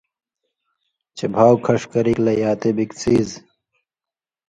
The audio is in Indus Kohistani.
چے بھاٶ کھݜ کرِگ لہ یاتی بگ څیز